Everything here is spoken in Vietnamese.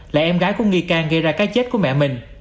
là em gái của nghi can gây ra cái chết của mẹ mình